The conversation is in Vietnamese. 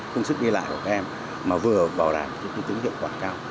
công sức đi lại của các em mà vừa bảo đảm những tính hiệu quả cao